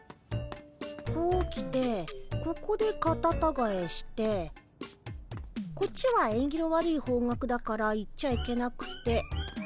こう来てここでカタタガエしてこっちはえんぎの悪い方角だから行っちゃいけなくて。